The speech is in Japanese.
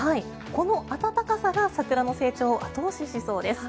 この暖かさが桜の成長を後押ししそうです。